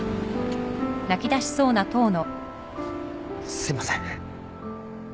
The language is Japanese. すいません。